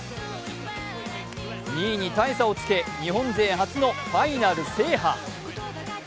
２位に大差をつけ日本勢初のファイナル制覇。